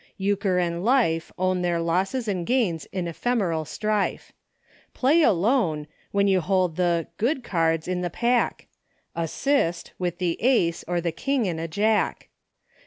" Euchre and Life Own their losses and gains in ephemeral strife. * Play alone,' when you hold the * good cards' in the pack ;* Assist,' with the Ace, or the King and a Jack.